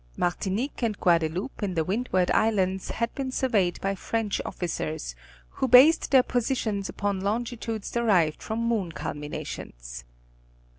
Martinique and Guadeloupe in the Windward Islands had been surveyed by French officers who based their positions upon longitudes derived from moon culminations.